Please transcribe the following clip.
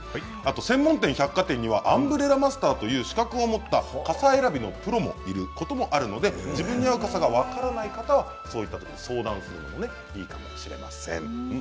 専門店や百貨店にはアンブレラマスターという資格を持った傘選びのプロがいることもあるので自分が合う傘が分からない方はそういった方に相談するのもいいかもしれません。